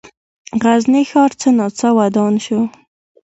غزني ښار څه ناڅه ودان شو.